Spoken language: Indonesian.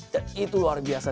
dan itu luar biasa